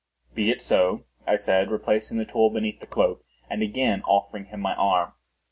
"Be it so," I said, replacing the tool beneath the cloak, and again offering him my arm.